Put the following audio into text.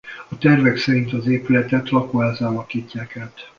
A tervek szerint az épületet lakóházzá alakítják át.